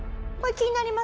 気になります。